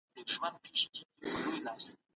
د بې وزلو حق باید ضایع نسي.